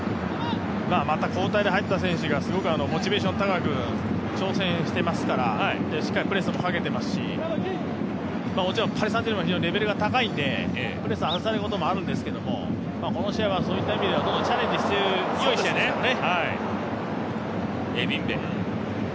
また交代で入った選手がモチベーション高く挑戦してますから、しっかりプレスもかけてますし、もちろんパリ・サン＝ジェルマンはレベルが高いのでプレス外されることもあるんですけど、この試合はそういった意味ではチャレンジしていい試合ですからね。